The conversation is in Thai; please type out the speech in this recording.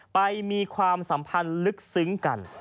มีความสัมพันธ์ลึกซึ้งกัน